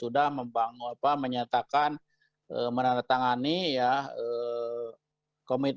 yang pertama yang kedua letakkan komitmen jadi untuk memenuhi peraka ulama li giant sql development